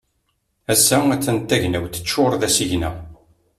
Ass-a a-t-an tagnawt teččur d asigna.